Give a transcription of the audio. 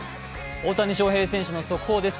大谷翔平選手の速報です